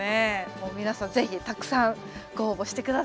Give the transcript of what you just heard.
もう皆さん是非たくさんご応募して下さい。